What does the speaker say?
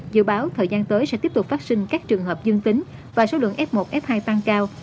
dự báo thời gian tới sẽ tiếp tục phát sinh các trường hợp dương tính và số lượng f một f hai tăng cao